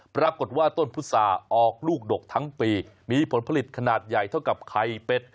ปรากฏว่าต้นพุษาออกลูกดกทั้งปีมีผลผลิตขนาดใหญ่เท่ากับไข่เป็ด